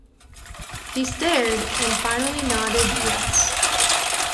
He stared, and finally nodded yes.